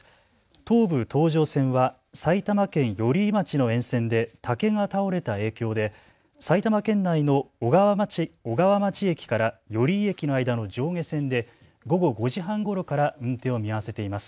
東武東上線は埼玉県寄居町の沿線で竹が倒れた影響で埼玉県内の小川町駅から寄居駅の間の上下線で午後５時半ごろから運転を見合わせています。